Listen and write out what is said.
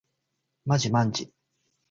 まじまんじ